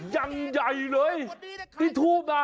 ยังใหญ่เลยที่ทูบมา